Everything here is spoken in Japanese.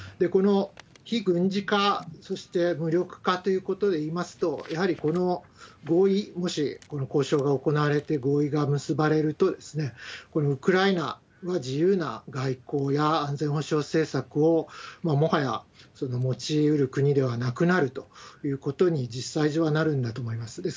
この非軍事化、そして無力化ということでいいますと、やはりこの合意、もしこの交渉が行われて合意が結ばれると、これ、ウクライナは自由な外交や安全保障政策をもはや持ちうる国ではなくなるということに、実際上はなるんだと思います。